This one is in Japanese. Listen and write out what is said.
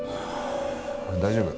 大丈夫。